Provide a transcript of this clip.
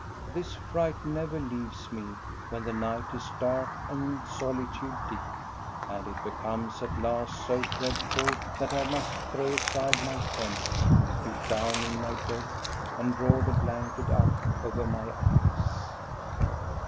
This fright never leaves me when the night is dark and solitude deep ; and it becomes at last so dreadful that I must throw aside my pen, creep down in my bed and draw the blanket up over my eyes.